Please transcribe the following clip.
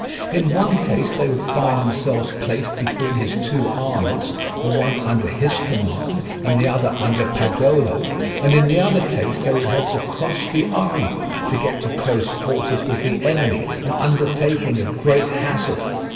In one case they would find themselves placed between his two armies, the one under his own command and the other under Pagolo, and in the other case they would have to cross the Arno to get to close quarters with the enemy, an undertaking of great hazard.